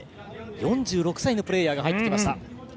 ４６歳のプレーヤーが入りました。